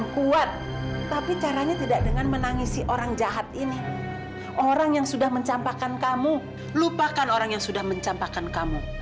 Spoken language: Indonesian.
lupakan orang yang sudah mencampakkan kamu